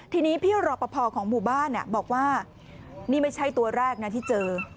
ทีนี้พี่รอปภของหมู่บ้านบอกว่านี่ไม่ใช่ตัวแรกนะที่เจอ